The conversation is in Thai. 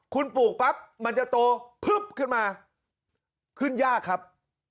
คุณปลูกปั๊บมันจะโตพึบขึ้นมาขึ้นยากครับ